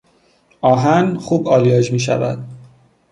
آهن خوب آلیاژ میشود.